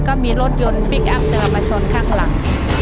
ก็มีรถยนต์พลิกอัพมาชนข้างหลัง